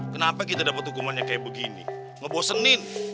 kenapa kita dapat hukumannya kayak begini ngebosenin